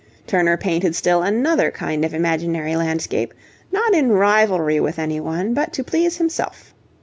Turner painted still another kind of imaginary landscape, not in rivalry with any one, but to please himself.